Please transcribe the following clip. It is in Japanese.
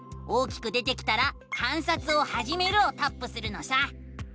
大きく出てきたら「観察をはじめる」をタップするのさ！